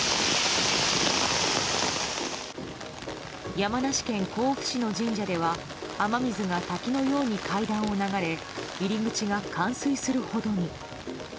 山梨県甲府市の神社では雨水が滝のように階段を流れ入り口が冠水するほどに。